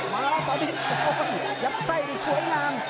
มาแล้วตอนนี้ยักษ์ไส้สวยงาม